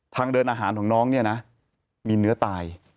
ทางเดินอาหารของน้องเนี่ยนะมีเนื้อตาย